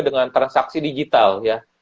dengan transaksi digital ya